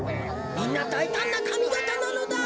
みんなだいたんなかみがたなのだ。